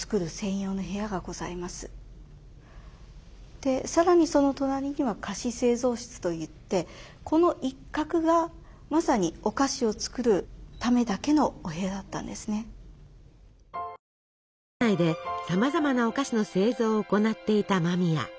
でさらにその隣には菓子製造室といってこの一角がまさに艦内でさまざまなお菓子の製造を行っていた間宮。